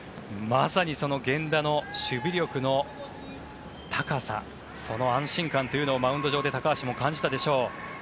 まさに源田の守備力の高さその安心感をマウンド上で感じたでしょう。